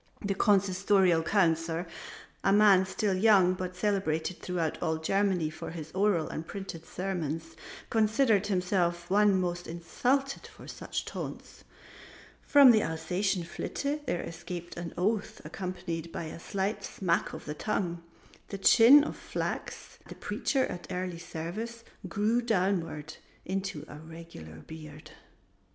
The Consistorial Councillor, a man still young but celebrated throughout all Germany for his oral and printed sermons, considered himself the one most insulted by such taunts. From the Alsatian Flitte there escaped an oath accompanied by a slight smack of the tongue. The chin of Flachs, the Preacher at Early Service, grew downward into a regular beard.